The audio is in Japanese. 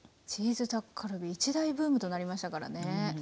チーズタッカルビ一大ブームとなりましたからね。